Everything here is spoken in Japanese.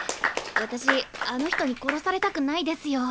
私あの人に殺されたくないですよ。